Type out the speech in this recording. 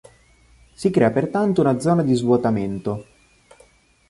Si crea pertanto una zona di svuotamento.